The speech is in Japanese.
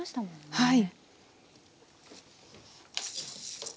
はい。